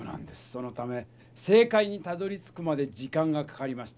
そのため正かいにたどりつくまで時間がかかりました。